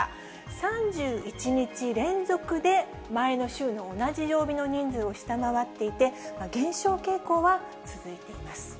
３１日連続で前の週の同じ曜日の人数を下回っていて、減少傾向は続いています。